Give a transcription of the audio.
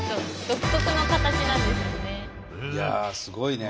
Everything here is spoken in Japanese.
いやあすごいね。